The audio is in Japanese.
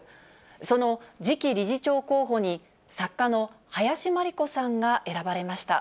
その次期理事長候補に、作家の林真理子さんが選ばれました。